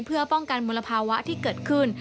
เพื่อป้องกันมลภาวะที่เกิดขึ้น